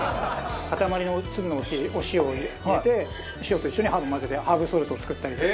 塊の粒のお塩を入れてお塩と一緒にハーブを混ぜてハーブソルトを作ったりとか。